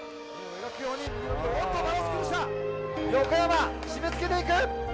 横山締めつけていく！